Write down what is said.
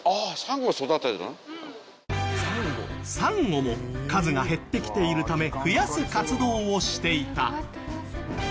サンゴも数が減ってきているため増やす活動をしていた。